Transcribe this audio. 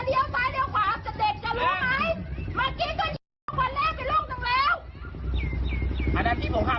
เลยนะ